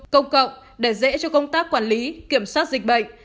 công cộng để dễ cho công tác quản lý kiểm soát dịch bệnh